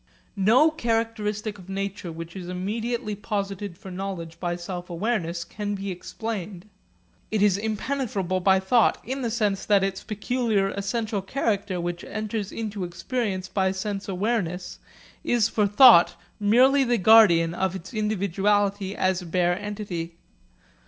No characteristic of nature which is immediately posited for knowledge by sense awareness can be explained. It is impenetrable by thought, in the sense that its peculiar essential character which enters into experience by sense awareness is for thought merely the guardian of its individuality as a bare entity.